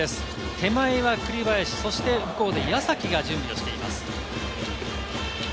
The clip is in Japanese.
手前が栗林、向こうで矢崎が準備をしています。